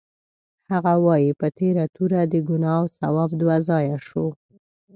هغه وایي: په تېره توره د ګناه او ثواب دوه ځایه شو.